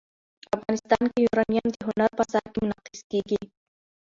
افغانستان کې یورانیم د هنر په اثار کې منعکس کېږي.